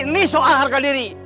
ini soal harga diri